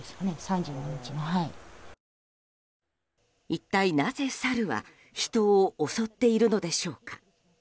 一体なぜ、サルは人を襲っているのでしょうか。